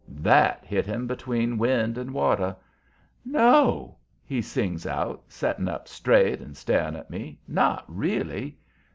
THAT hit him between wind and water. "No?" he sings out, setting up straight and staring at me. "Not really?"